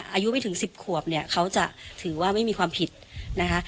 อายุไม่ถึง๑๐ขวบเนี่ยเขาจะถือว่าไม่มีความผิดนะคะ